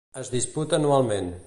Es disputa anualment.